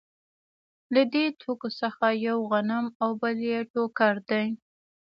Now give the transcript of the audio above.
له دې توکو څخه یو غنم او بل یې ټوکر دی